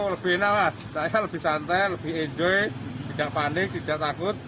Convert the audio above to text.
lebih enak mas saya lebih santai lebih enjoy tidak panik tidak takut